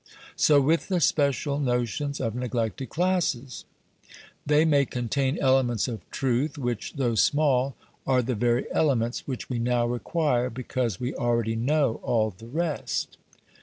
So with the special notions of neglected classes. They may contain elements of truth which, though small, are the very elements which we now require, because we already know all the rest.